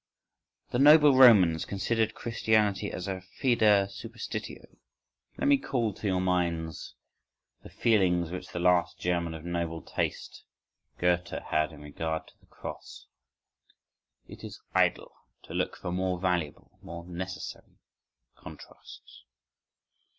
The noble Romans considered Christianity as a fœda superstitio: let me call to your minds the feelings which the last German of noble taste—Goethe—had in regard to the cross. It is idle to look for more valuable, more necessary contrasts.